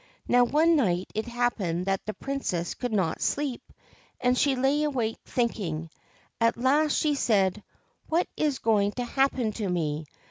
Now one night it happened that the Princess could not sleep, and she lay awake, thinking. At last she said :' What is going to happen to me